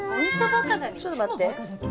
ちょっと待って。